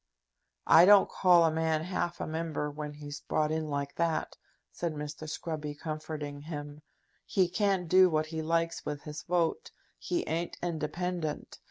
"I don't call a man half a Member when he's brought in like that," said Mr. Scruby, comforting him. "He can't do what he likes with his vote. He ain't independent.